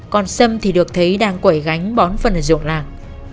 còn sâm thì được thấy đang quẩy gánh bón phân ở ruộng lạc